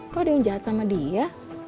kok ada yang jahat sama dia